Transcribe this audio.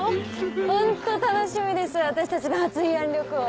ホント楽しみです私たちの初慰安旅行。